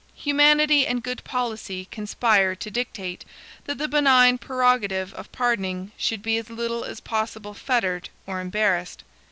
Humanity and good policy conspire to dictate, that the benign prerogative of pardoning should be as little as possible fettered or embarrassed.